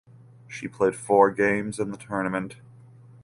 She played four games in the tournament.